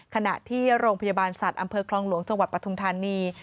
ขณะที่โรงพยาบาลสัตว์อำเภอคลองหลวงจังหวัดปทุมธานี